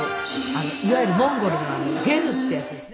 いわゆるモンゴルのゲルっていうやつですね。